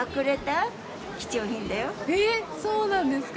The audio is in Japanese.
えっそうなんですか。